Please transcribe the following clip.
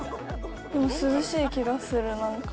涼しい気がする、なんか。